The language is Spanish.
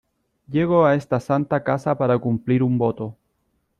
llego a esta santa casa para cumplir un voto.